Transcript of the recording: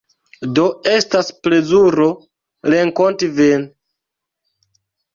Do, estas plezuro renkonti vin